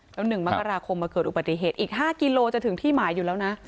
แล้ว๑มกราคมมาเกิดอุบัติเหตุอีก๕กิโลจะถึงที่หมายอยู่แล้วนะ